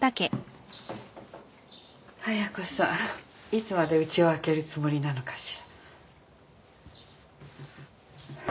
亜矢子さんいつまでうちを空けるつもりなのかしら。